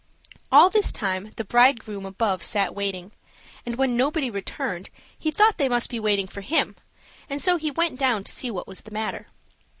All this time the bridegroom above sat waiting, but when nobody returned, he thought they must be waiting for him, and so he went down to see what was the matter.